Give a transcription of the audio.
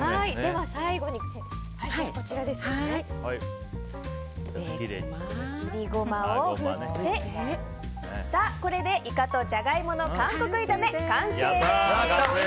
最後にいりゴマを振ってイカとジャガイモの韓国炒め完成です！